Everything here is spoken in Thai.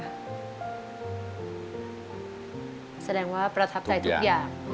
อเรนนี่ส์แสดงว่าประทับใจทุกอย่างที่เป็นเขา